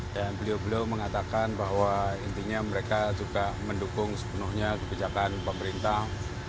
dan beliau beliau mengatakan bahwa intinya mereka juga mendukung sepenuhnya kebijakan pemerintah